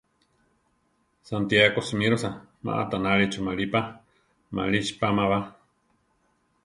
Santiáko simírosa má aʼtanáli choʼmalí pa, malíchi páma ba.